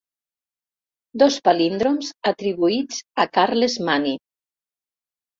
Dos palíndroms atribuïts a Carles Mani.